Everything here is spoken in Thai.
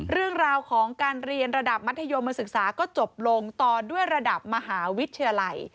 เรื่องราวของการเรียนระดับมัธยมศึกษาก็จบลงต่อด้วยระดับมหาวิทยาลัย